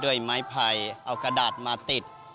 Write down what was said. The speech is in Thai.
ด้วยไม้ไผ่เอากระดาษมาติด